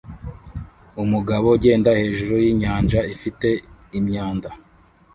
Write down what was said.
Umugabo ugenda hejuru yinyanja ifite imyanda